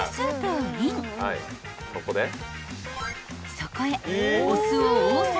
［そこへ］